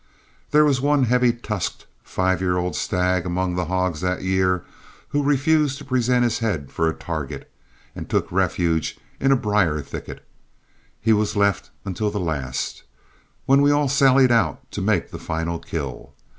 There was one heavy tusked five year old stag among the hogs that year who refused to present his head for a target, and took refuge in a brier thicket. He was left until the last, when we all sallied out to make the final kill.